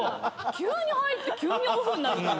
急に入って急にオフになるから。